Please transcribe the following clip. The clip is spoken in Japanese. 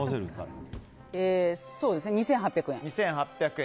２８００円。